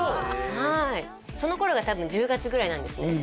はいその頃が多分１０月ぐらいなんですね